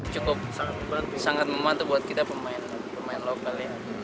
cukup sangat mematuh buat kita pemain lokal